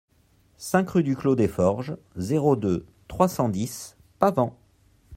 cinq rue du Clos des Forges, zéro deux, trois cent dix, Pavant